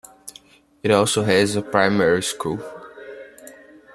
It also has a primary school.